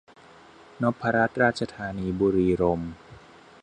นพรัตน์ราชธานี บุรีรมย์